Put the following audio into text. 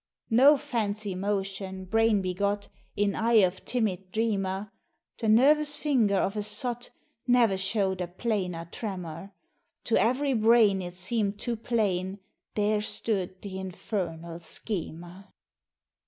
No fancy motion, brain begot, In eye of timid dreamer The nervous finger of a sot Ne'er showed a plainer tremor; To every brain it seemed too plain, There stood th' Infernal Schemer!